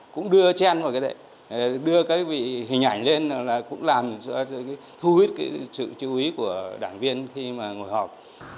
cũng đưa trên một cái đệnh đưa cái hình ảnh lên là cũng làm thu hút sự chú ý của đảng viên khi mà ngồi họp